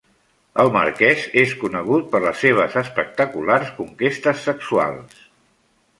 El Marquès és conegut per les seves espectaculars conquestes sexuals.